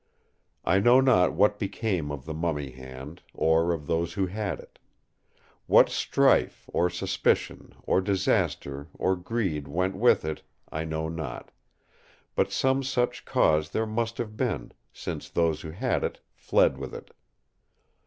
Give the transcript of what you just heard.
"I know not what became of the mummy hand, or of those who had it. What strife, or suspicion, or disaster, or greed went with it I know not; but some such cause there must have been, since those who had it fled with it.